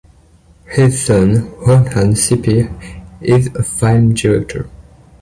His son Rohan Sippy is a film director.